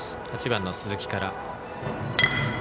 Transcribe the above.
８番の鈴木から。